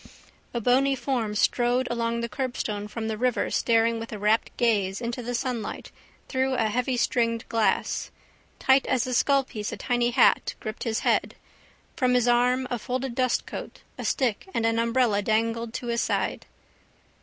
A bony form strode along the curbstone from the river staring with a rapt gaze into the sunlight through a heavystringed glass. Tight as a skullpiece a tiny hat gripped his head. From his arm a folded dustcoat, a stick and an umbrella dangled to his stride.